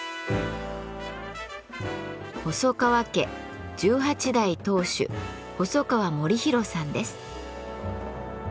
細川家十八代当主細川護熙さんです。